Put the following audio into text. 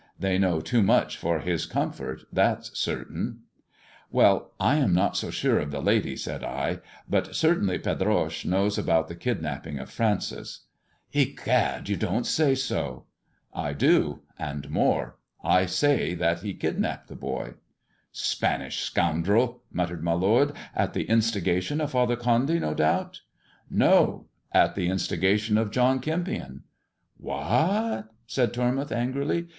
They know too much for his comfort, that's certain." " Wei!, I am not so sure of the lady," said I, " but cei'taittly Pedroche knows about the kidnapping of Francis," " Egad 1 You don't say so 1 " 296 THE JESUIT AND THE MEXICAN COIN " I do, and more. I say that he kidnapped the boy." "Spanish scoundrel!" muttered my lord. "At the instigation of Father Condy, no doubt?" " No I At the instigation of John Kempion." " Wh a t !" said Tormouth angrily.